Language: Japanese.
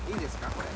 これ。